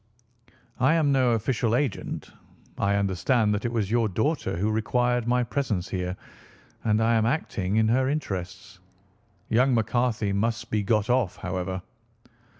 "I am no official agent. I understand that it was your daughter who required my presence here, and I am acting in her interests. Young McCarthy must be got off, however."